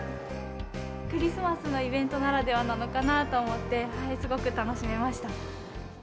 クリスマスのイベントならではなのかなと思って、すごく楽しめました。